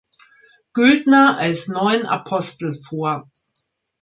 Güldner als neuen Apostel vor.